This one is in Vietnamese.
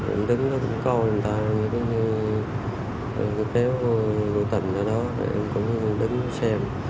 em đứng đó cũng coi người ta em cứ kéo vô tình ở đó em cũng đứng xem